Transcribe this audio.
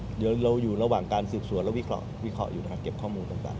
เดี๋ยวเราอยู่ระหว่างการสืบสวนและวิเคราะห์วิเคราะห์อยู่นะครับเก็บข้อมูลต่าง